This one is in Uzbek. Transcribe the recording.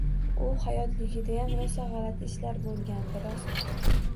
U hayotligidayam rosa g‘alati ishlar bo‘lgandi, rost.